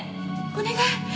お願い